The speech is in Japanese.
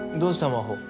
真帆。